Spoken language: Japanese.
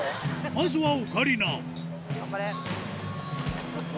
まずはオカリナ頑張れ！